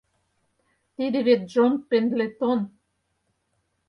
Тиде вет Джон Пендлетон.